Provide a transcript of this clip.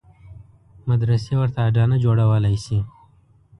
مدرسې ورته اډانه جوړولای شي.